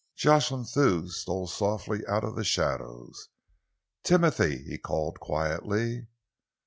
Jocelyn Thew stole softly out of the shadows. "Timothy," he called quietly.